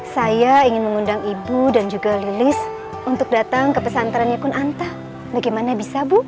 saya ingin mengundang ibu dan juga lilis untuk datang ke pesantrennya pun anta bagaimana bisa bu